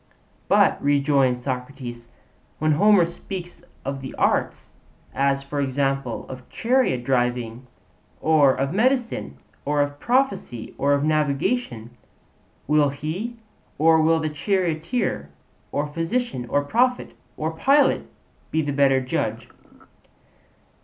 But, rejoins Socrates, when Homer speaks of the arts, as for example, of chariot driving, or of medicine, or of prophecy, or of navigation will he, or will the charioteer or physician or prophet or pilot be the better judge?